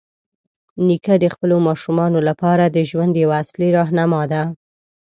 نیکه د خپلو ماشومانو لپاره د ژوند یوه اصلي راهنما دی.